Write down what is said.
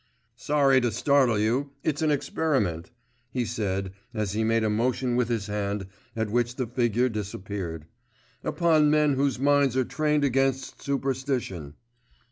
"Sorry to startle you; it's an experiment," he said as he made a motion with his hand at which the figure disappeared, "upon men whose minds are trained against superstition."